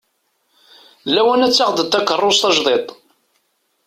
D lawan ad d-taɣeḍ takerrus tajdiṭ.